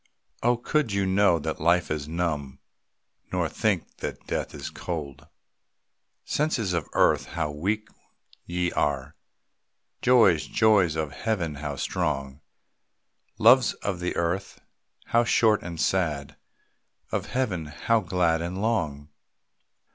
Oh, could you know that life is numb, Nor think that death is cold! Senses of earth, how weak ye are! Joys, joys of Heaven how strong! Loves of the earth, how short and sad, Of Heaven how glad and long!